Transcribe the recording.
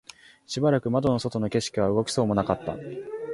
しばらく窓の外の景色は動きそうもなかった